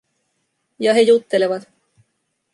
Ja he juttelevat.